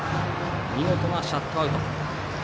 見事なシャットアウト。